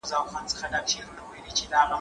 زه اوس سبزیجات جمع کوم!.